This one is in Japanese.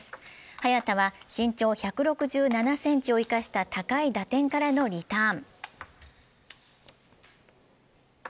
早田は身長１６７ｃｍを生かした高い打点からのリターン。